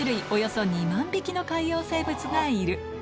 およそ２万匹の海洋生物がいる。